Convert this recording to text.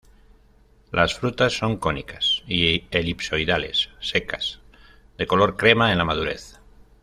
Las frutas son cónicas y elipsoidales secas, de color crema en la madurez.